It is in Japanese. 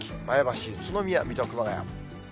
前橋、宇都宮、水戸、熊谷。